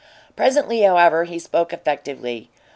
Presently, however, he spoke effectively.